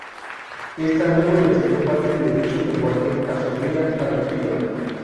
Esta luego le enseñó parte de dicho lenguaje a su cría adoptiva.